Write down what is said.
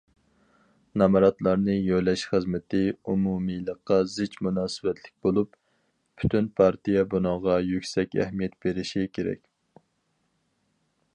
نامراتلارنى يۆلەش خىزمىتى ئومۇمىيلىققا زىچ مۇناسىۋەتلىك بولۇپ، پۈتۈن پارتىيە بۇنىڭغا يۈكسەك ئەھمىيەت بېرىشى كېرەك.